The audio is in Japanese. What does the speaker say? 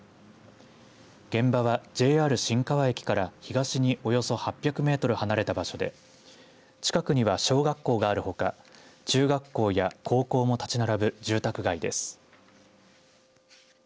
現場はＪＲ新川駅から東におよそ８００メートル離れた場所で近くには小学校があるほか中学校や高校も立ち並ぶ住宅街です。